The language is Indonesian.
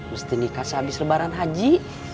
mesti nikah sehabis lebaran haji